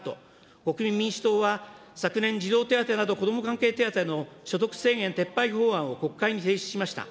国民民主党は昨年、児童手当など子ども関係手当の所得制限撤廃法案を国会に提出しました。